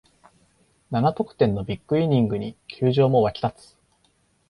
七得点のビッグイニングに球場も沸き立つ